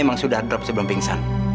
memang sudah drop sebelum pingsan